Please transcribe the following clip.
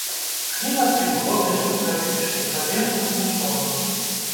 Клімат вільготны субтрапічны, залежыць ад мусонаў.